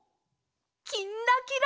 「きんらきら」。